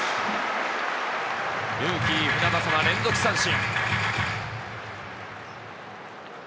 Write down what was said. ルーキー船迫、連続三振。